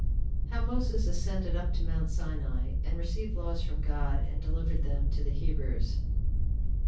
How Moses Ascended Up To Mount Sinai, And Received Laws From God, And Delivered Them To The Hebrews.